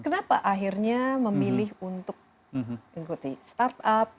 kenapa akhirnya memilih untuk mengikuti startup